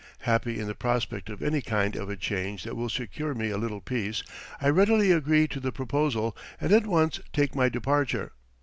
Happy in the prospect of any kind of a change that will secure me a little peace, I readily agree to the proposal and at once take my departure.